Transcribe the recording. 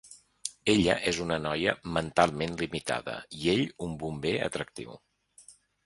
Ella és una noia mentalment limitada i ell un bomber atractiu.